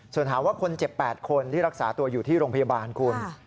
ส่วนถามว่าคนเจ็บ๘คนที่รักษาตัวอยู่ที่โรงพยาบาลคุณ